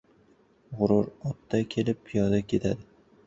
• G‘urur otda kelib, piyoda ketadi.